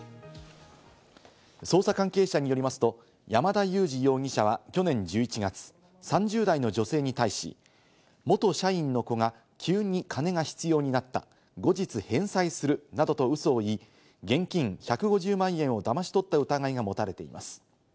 捜査関係者によりますと、山田勇次容疑者は去年１１月、３０代の女性に対し、元社員の子が急に金が必要になった、後日、返済するなどとうそを言い、現金１５０万円をだまし取った疑いが持たれています。